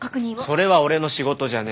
それは俺の仕事じゃねえ。